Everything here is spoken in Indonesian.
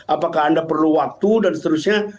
apakah anda perlu waktu dan seterusnya